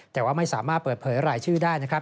แต่ว่าไม่สามารถเปิดเผยรายชื่อได้นะครับ